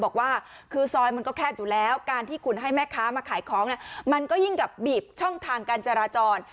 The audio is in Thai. บอกว่าคือซอยมันก็แคบอยู่แล้วการที่คุณให้แม่ค้ามาขายของเนี่ยมันก็ยิ่งกับบีบช่องทางการจราจร